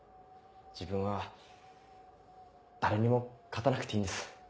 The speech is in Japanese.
自分は誰にも勝たなくていいんです。